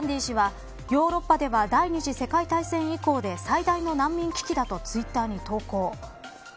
グランディー氏はヨーロッパでは第２次世界大戦以降で最大の難民危機だとツイッターに投稿。